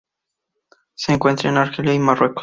Se encuentra en Argelia y Marruecos.